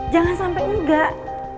jangan sampai enggak